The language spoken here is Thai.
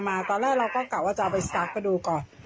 มาตอนแรกก็กอดว่าจะเอาไปซักดูก่อน